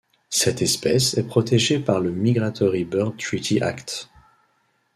Cette espèce est protégée par le Migratory Bird Treaty Act.